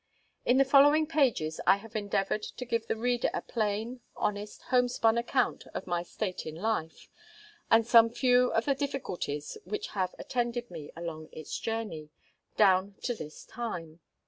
In the following pages I have endeavoured to give the reader a plain, honest, homespun account of my state in life, and some few of the difficulties which have attended me along its journey, down to this time.